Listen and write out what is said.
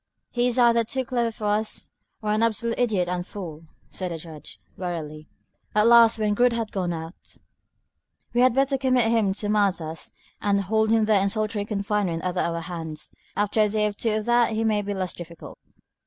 "He is either too clever for us or an absolute idiot and fool," said the Judge, wearily, at last, when Groote had gone out. "We had better commit him to Mazas and hold him there in solitary confinement under our hands. After a day or two of that he may be less difficult."